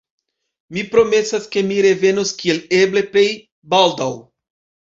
Mi promesas, ke mi revenos kiel eble plej baldaŭ.